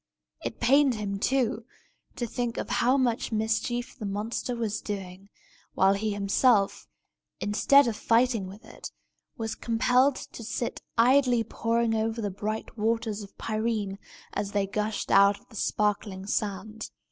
It pained him, too, to think how much mischief the monster was doing, while he himself, instead of righting with it, was compelled to sit idly poring over the bright waters of Pirene, as they gushed out of the sparkling sand.